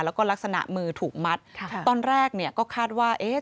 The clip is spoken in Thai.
แล้วก็ลักษณะมือถูกมัดค่ะตอนแรกเนี่ยก็คาดว่าเอ๊ะ